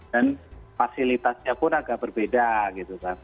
dan fasilitasnya pun agak berbeda gitu kan